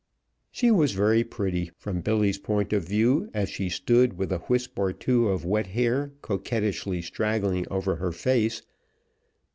She was very pretty, from Billy's point of view, as she stood with a wisp or two of wet hair coquettishly straggling over her face.